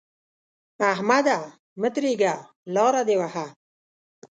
احمده! مه درېږه؛ لاره دې وهه.